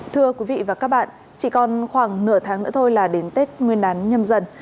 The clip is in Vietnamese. thưa quý vị và các bạn chỉ còn khoảng nửa tháng nữa thôi là đến tết nguyên đán nhâm dần